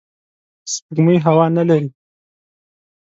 سپوږمۍ هوا نه لري